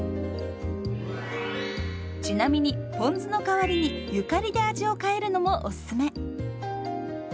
ちなみにポン酢の代わりにゆかりで味を変えるのもおすすめ。